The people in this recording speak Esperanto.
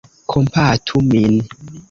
Kompatu min!